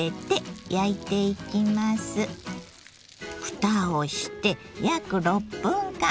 ふたをして約６分間。